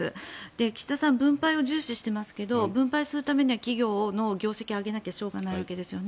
岸田さんは分配を重視していますが分配するためには企業の業績を上げなきゃしょうがないわけですよね。